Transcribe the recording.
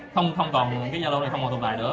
không còn những cái gia lô này không còn tồn tại nữa